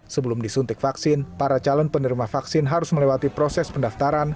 sebelum disuntik vaksin para calon penerima vaksin harus melewati proses pendaftaran